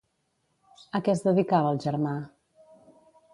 A què es dedicava el germà?